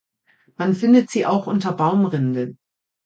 Man findet sie auch unter Baumrinde.